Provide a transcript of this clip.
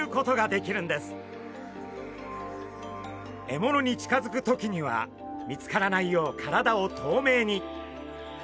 獲物に近づく時には見つからないよう体を透明に。